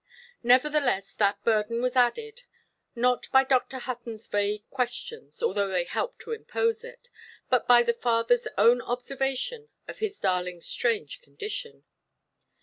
Nevertheless, that burden was added; not by Dr. Huttonʼs vague questions, although they helped to impose it, but by the fatherʼs own observation of his darlingʼs strange condition.